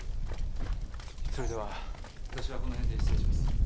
それでは私はこの辺で失礼します。